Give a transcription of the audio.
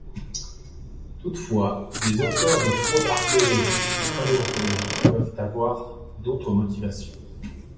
Toutefois, les auteurs de fraudes archéologiques ou paléontologiques peuvent avoir d'autres motivations.